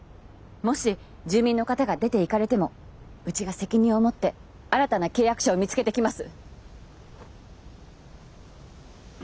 もし住民の方が出て行かれてもうちが責任を持って新たな契約者を見つけてきます。